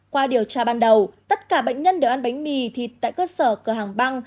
qua điều tra ban đầu tất cả bệnh nhân đều ăn bánh mì thịt tại cơ sở cửa hàng băng